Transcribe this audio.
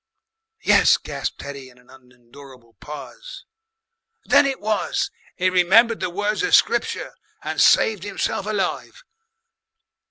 "Yes," gasped Teddy in an unendurable pause. "Then it was he remembered the words of Scripture and saved himself alive.